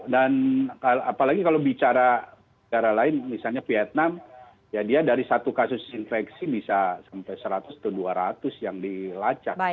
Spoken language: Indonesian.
dan apalagi kalau bicara secara lain misalnya vietnam ya dia dari satu kasus infeksi bisa sampai seratus atau dua ratus yang diinginkan